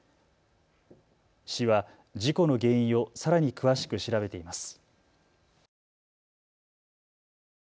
市は事故の原因をさらに詳しく調べています。